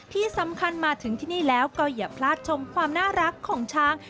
ที่สำคัญมาถึงที่นี่แล้วก็อย่าพลาดชมความน่ารักของช้าง